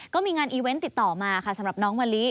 ก็มีงานอีเวนต์ติดต่อมาค่ะสำหรับน้องมะลิ